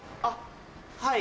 はい。